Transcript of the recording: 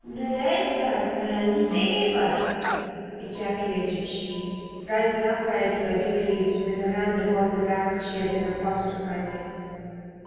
"Bless us and save us!" ejaculated she, rising upright by degrees with her hand upon the back she had been apostrophizing.